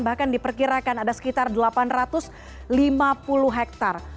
bahkan diperkirakan ada sekitar delapan ratus lima puluh hektare